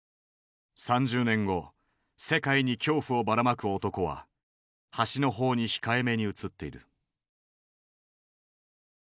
３０年後世界に恐怖をばらまく男は端の方に控えめに写っている。